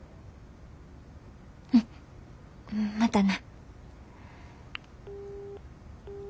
うんまたな。